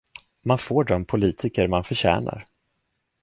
Man får de politiker man förtjänar.